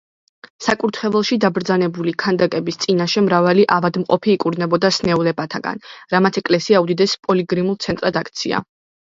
საკურთხეველში დაბრძანებული ქანდაკების წინაშე მრავალი ავადმყოფი იკურნებოდა სნეულებათაგან, რამაც ეკლესია უდიდეს პილიგრიმულ ცენტრად აქცია.